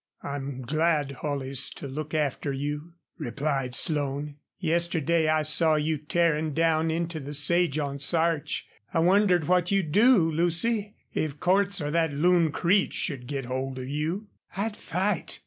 "I'm glad Holley's to look after you," replied Slone. "Yesterday I saw you tearin' down into the sage on Sarch. I wondered what you'd do, Lucy, if Cordts or that loon Creech should get hold of you?" "I'd fight!"